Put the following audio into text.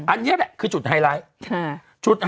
อันนี้แหละคือจุดไฮไลท์